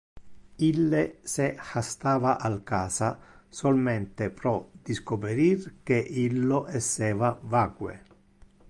Ille se hastava al casa solmente pro discoperir que illo esseva vacue.